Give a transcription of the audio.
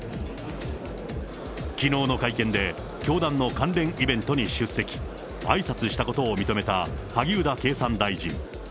きのうの会見で、教団の関連イベントに出席、あいさつしたことを認めた萩生田経産大臣。